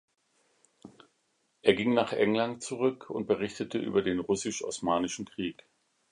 Er ging nach England zurück und berichtete über den Russisch-Osmanischen Krieg.